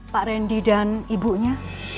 pak randy dan ibunya